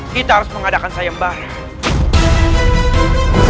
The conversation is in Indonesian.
kita harus mengadakan sayang baru